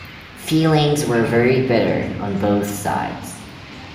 Feelings were very bitter on both sides.